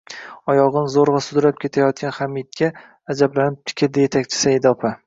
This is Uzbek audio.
oyog‘ini zo‘rg‘a sudrab ketayotgan Hamidga ajablanib tikildi yetakchi Saida opa